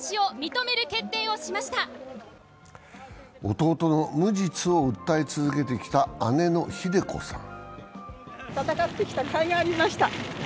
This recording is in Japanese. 弟の無実を訴え続けてきた姉のひで子さん。